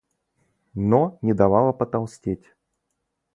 но не давала потолстеть.